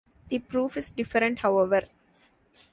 The proof is different, however.